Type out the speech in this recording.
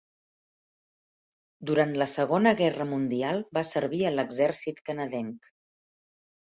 Durant la Segona Guerra Mundial va servir a l'exèrcit canadenc.